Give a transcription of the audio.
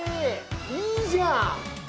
いいじゃん！